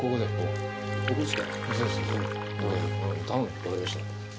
わかりました。